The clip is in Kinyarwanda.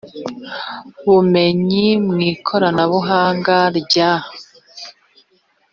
bumenyi mu ikoranabuhanga rya